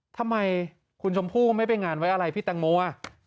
ทำไมคุณชมพู่ก็ไม่ไปงานไว้อะไรพี่แตงโม